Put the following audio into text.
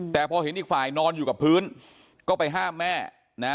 แต่พอเห็นอีกฝ่ายนอนอยู่กับพื้นก็ไปห้ามแม่นะ